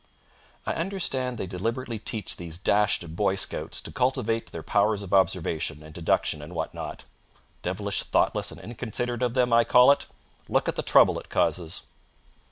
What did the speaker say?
I understand they deliberately teach these dashed Boy Scouts to cultivate their powers of observation and deduction and what not. Devilish thoughtless and inconsiderate of them, I call it. Look at the trouble it causes.